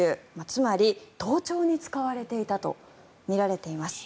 つまり、盗聴に使われていたとみられています。